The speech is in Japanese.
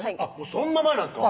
そんな前なんですか？